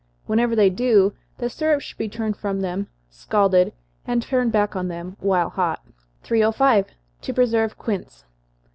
Whenever they do, the syrup should be turned from them, scalded, and turned back on them while hot. 305. _To Preserve Quinces.